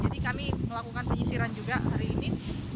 jadi kami melakukan pengisiran juga hari ini